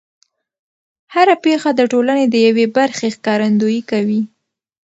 هر پېښه د ټولنې د یوې برخې ښکارندويي کوي.